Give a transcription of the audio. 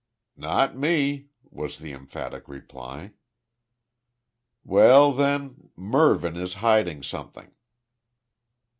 "Not me," was the emphatic reply. "Well then, Mervyn is hiding something."